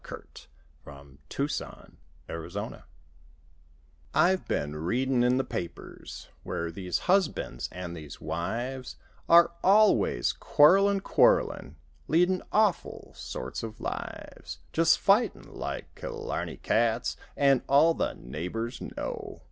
UNCLE HENRY TALKS ON DIVORCES I've been readin' in the papers Where these husbands and these wives Are always quarrelin', quarrelin'. Leadin' awful sorts of lives. Just fightin' like Killarney cats An' all the neighbors know.